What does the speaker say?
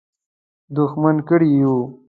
دښمن کړي یو.